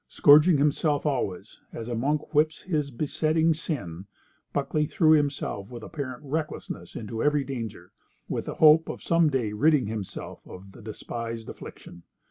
Scourging himself always, as a monk whips his besetting sin, Buckley threw himself with apparent recklessness into every danger, with the hope of some day ridding himself of the despised affliction.